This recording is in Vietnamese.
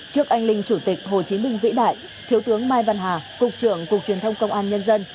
trước anh linh chủ tịch hồ chí minh vĩ đại thiếu tướng mai văn hà cục trưởng cục truyền thông công an nhân dân